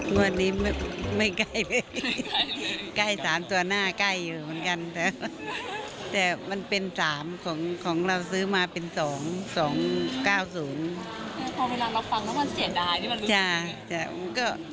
พอเวลาเราฟังแล้วมันเสียดายที่มันรุ้นแบบนี้